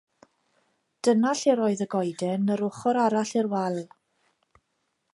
Dyna lle'r oedd y goeden yr ochr arall i'r wal.